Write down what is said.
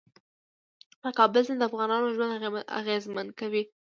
د کابل سیند د افغانانو ژوند اغېزمن کوي.